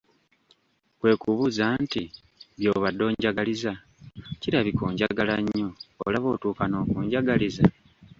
kwe kubuuza nti, “by’obadde onjagaliza, kirabika onjagala nnyo olaba otuuka n’okunjagaliza!